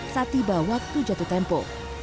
sewaktu jatuh tempo